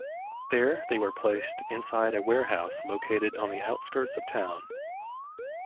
There, they were placed inside a warehouse located on the outskirts of town.